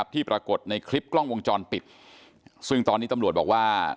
ที่ปรากฏในคลิปกล้องวงจรปิดซึ่งตอนนี้ตำรวจบอกว่า